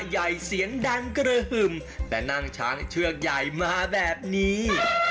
ใหญ่เสียงดังกระหึ่มแต่นั่งช้างเชือกใหญ่มาแบบนี้